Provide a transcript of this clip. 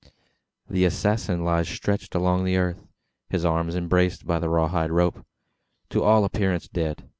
The assassin lies stretched along the earth his arms embraced by the raw hide rope to all appearance dead.